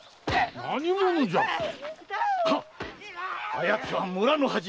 あやつは村の恥。